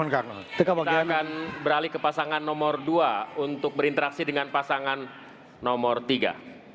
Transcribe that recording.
kita akan beralih ke pasangan nomor dua untuk berinteraksi dengan pasangan nomor tiga